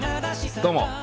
どうも。